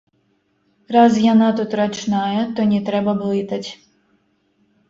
Раз яна тут рачная, то не трэба блытаць.